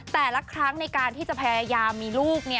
แต่ละครั้งในการที่จะพยายามมีลูก